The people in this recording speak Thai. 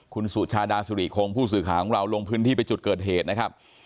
คุณสุชาดาสุริคงผู้สื่อข่าวของเราลงพื้นที่ไปจุดเกิดเหตุนะครับ